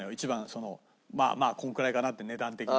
まあこのくらいかなって値段的に。